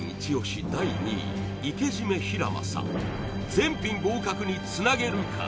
全品合格につなげるか？